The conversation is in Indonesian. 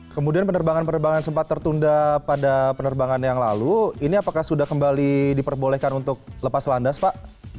kemudian penerbangan penerbangan yang sempat tertunda pada penerbangan yang lalu ini apakah sudah kembali diperbolehkan untuk lepas landas pak